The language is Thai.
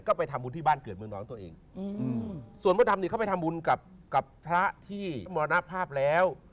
ก็ไปทำบุญที่บ้านเกิดเมืองน้องตัวเองอืมส่วนมดดำนี่เขาไปทำบุญกับกับพระที่มรณภาพแล้ว